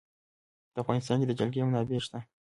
په افغانستان کې د جلګه منابع شته.